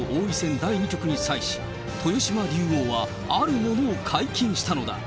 第２局に際し、豊島竜王は、あるものを解禁したのだ。